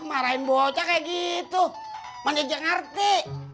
marahin bocah kayak gitu mana aja ngerti